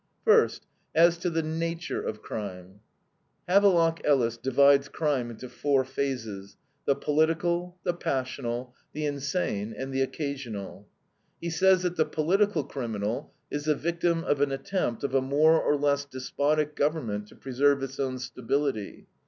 First, as to the NATURE of crime: Havelock Ellis divides crime into four phases, the political, the passional, the insane, and the occasional. He says that the political criminal is the victim of an attempt of a more or less despotic government to preserve its own stability.